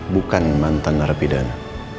bukan mantan narapidana